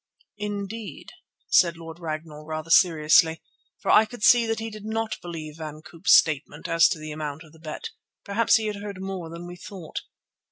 "Indeed," said Lord Ragnall rather seriously, for I could see that he did not believe Van Koop's statement as to the amount of the bet; perhaps he had heard more than we thought.